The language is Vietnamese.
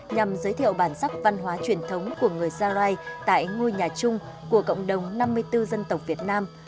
nhằm giới thiệu bản sắc văn hóa truyền thống của người gia rai tại ngôi nhà chung của cộng đồng năm mươi bốn dân tộc việt nam